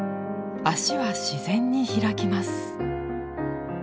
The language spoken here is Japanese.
脚は自然に開きます。